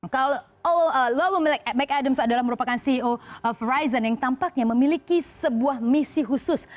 kalau lo memiliki mike adams adalah merupakan ceo verizon yang tampaknya memiliki sebuah misi khusus